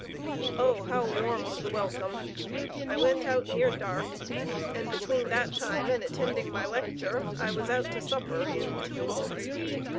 Oh, how warm was the welcome! I went out near dark, and between that time and attending my lecture, I was out to supper in two homes.